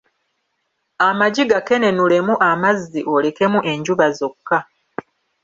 Amagi gakenenulemu amazzi olekemu enjuba zokka.